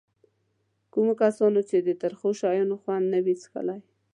کومو کسانو چې د ترخو شیانو خوند نه وي څکلی.